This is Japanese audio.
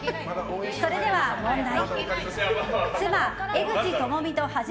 それでは問題。